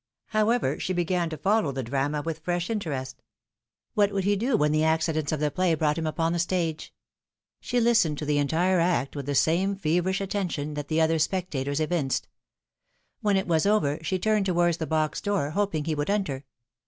However, she began to follow the drama with fresh interest. What would he do when the accidents of the play brought him upon the stage? She listened to the entire act with the same feverish attention that the other spectators evinced. When it was over she turned towards the box door, hoping he would enter.